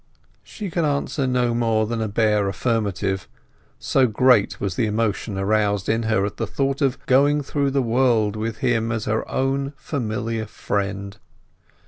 She could answer no more than a bare affirmative, so great was the emotion aroused in her at the thought of going through the world with him as his own familiar friend.